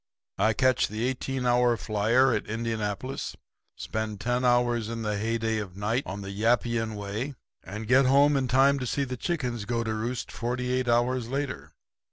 'I catch the eighteen hour flyer at Indianapolis, spend ten hours in the heyday of night on the Yappian Way, and get home in time to see the chickens go to roost forty eight hours later.